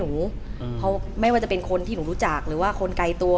ทุกคนเขาไม่ว่าจะเป็นคนหรือคนใกล้ตัว